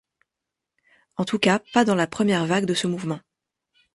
En tout cas pas dans la première vague de ce mouvement.